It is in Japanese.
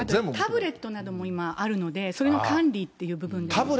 タブレットなんかもあるので、それの管理っていう部分で。